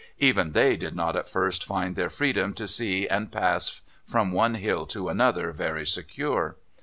Even they did not at first find their freedom to see and pass from one hill to another very secure.